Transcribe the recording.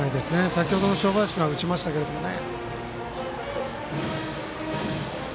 先ほどの正林君は打ちましたけれどもね。